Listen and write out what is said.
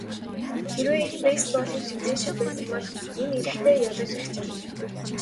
Хэрвээ энэ бейсболын тэмцээн шиг байсан бол энэ эрэгтэй ялагдагч юм.